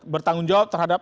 bertanggung jawab terhadap